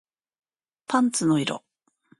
パンツの色